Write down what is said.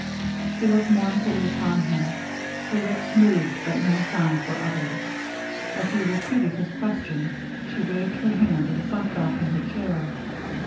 She looked mournfully upon him her lips moved, but no sounds were uttered. As he repeated his question, she waved her hand, and sunk back in her chair.